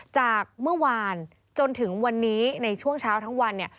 จากเมื่อวานจนถึงวันนี้ในช่วงเช้าทั้งวันเนี่ย